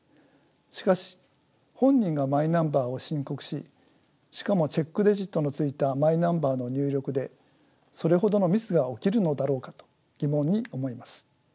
しかし本人がマイナンバーを申告ししかもチェックデジットのついたマイナンバーの入力でそれほどのミスが起きるのだろうかと疑問に思います。